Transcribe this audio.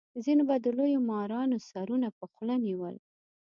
ځینو به د لویو مارانو سرونه په خوله نیول.